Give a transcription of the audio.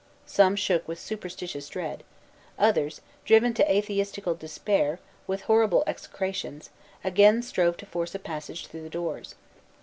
Some shook with superstitious dread; others, driven to atheistical despair, with horrible execrations, again strove to force a passage through the doors.